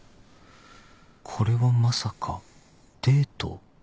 これはまさかデート？